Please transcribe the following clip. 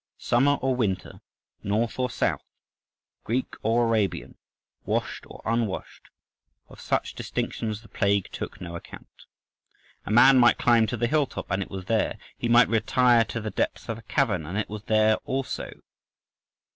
Summer or winter, North or South, Greek or Arabian, washed or unwashed—of such distinctions the plague took no account. A man might climb to the hill top, and it was there; he might retire to the depths of a cavern, and it was there also."